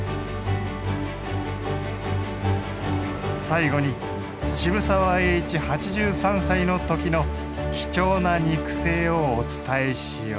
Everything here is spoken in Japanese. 最後に渋沢栄一８３歳の時の貴重な肉声をお伝えしよう。